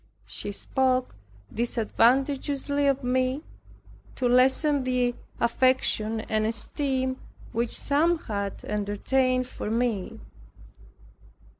She spoke disadvantageously of me, to lessen the affection and esteem which some had entertained for me.